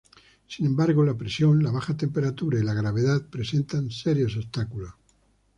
Sin embargo, la presión, la baja temperatura, y la gravedad presentan serios obstáculos.